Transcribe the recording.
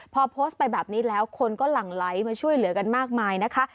พอโพสต์ไปแบบนี้แล้วคนก็หลั่งไหลมาช่วยเหลือกันมากมายนะคะ